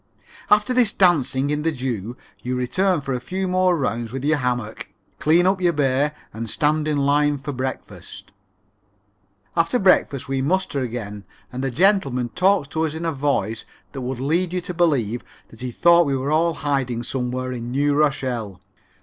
After this dancing in the dew you return for a few more rounds with your hammock, clean up your bay and stand in line for breakfast. After breakfast we muster again and a gentleman talks to us in a voice that would lead you to believe that he thought we were all in hiding somewhere in New Rochelle.